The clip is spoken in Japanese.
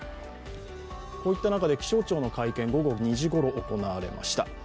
こういった中で気象庁の会見午後２時ごろ、行われました。